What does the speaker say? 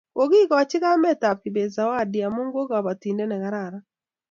Kokikoch kamet ab Kibet zawadi amu ko kabatindet ne kararan